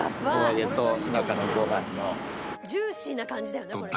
「ジューシーな感じだよねこれ」